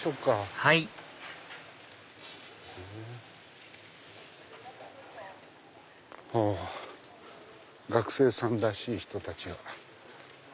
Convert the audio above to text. はいあっ学生さんらしい人たちが。